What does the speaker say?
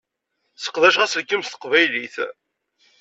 Seqdaceɣ aselkim s teqbaylit.